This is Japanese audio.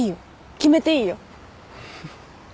決めていいよ。